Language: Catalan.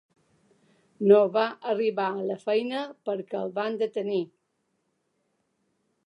No va arribar a la feina perquè el van detenir.